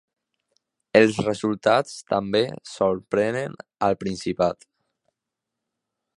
Els resultats també sorprenen al Principat.